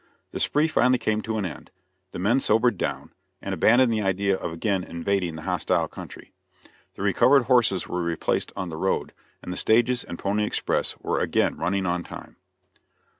The spree finally came to an end; the men sobered down and abandoned the idea of again invading the hostile country. The recovered horses were replaced on the road, and the stages and pony express were again running on time.